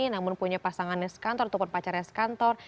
namun punya pasangannya sekantor ataupun pacarnya sekantor